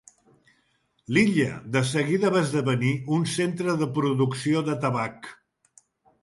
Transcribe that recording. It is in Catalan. L'illa de seguida va esdevenir un centre de producció de tabac.